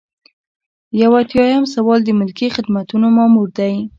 یو ایاتیام سوال د ملکي خدمتونو مامور دی.